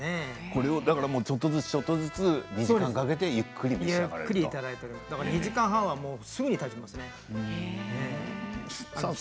これをちょっとずつちょっとずつ２時間かけて２時間半はすぐにたってしまいますね。